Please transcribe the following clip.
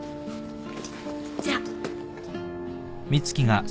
じゃあ。